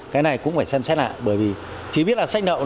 cái này cũng phải xem xét lại bởi vì chỉ biết là sách nậu